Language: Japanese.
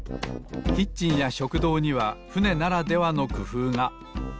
キッチンや食堂にはふねならではのくふうが。